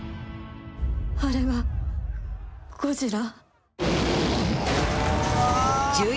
あれがゴジラ？